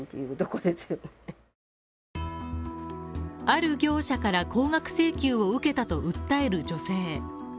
ある業者から高額請求を受けたと訴える女性。